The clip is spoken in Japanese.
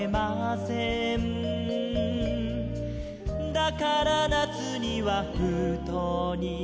「だから夏には封筒に」